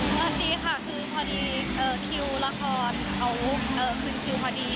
สวัสดีค่ะคือพอดีคิวละครเขาคืนคิวพอดี